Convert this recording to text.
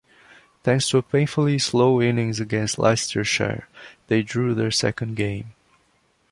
Thanks to a painfully slow innings against Leicestershire, they drew their second game.